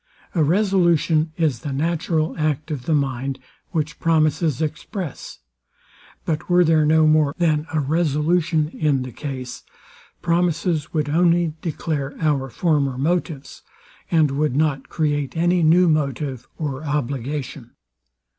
A resolution is the natural act of the mind, which promises express: But were there no more than a resolution in the case, promises would only declare our former motives, and would not create any new motive or obligation.